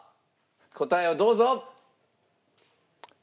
答えをどうぞ。